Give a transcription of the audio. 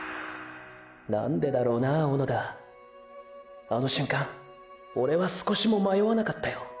何でだろうな小野田あの瞬間オレは少しも迷わなかったよ。